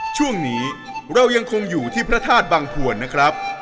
ช่วงนี้เรายังคงอยู่ที่พระธาตุบังพวนนะครับ